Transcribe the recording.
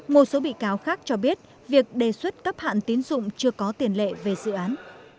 một số bị cáo khác cho biết việc đề xuất cấp hạn tín dụng chưa có tiền lệ về dự án